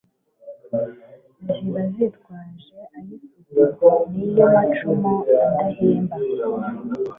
Ziba zitwaje ay' isuku. Ni yo macumu adahemba